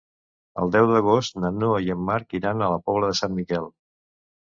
El deu d'agost na Noa i en Marc iran a la Pobla de Sant Miquel.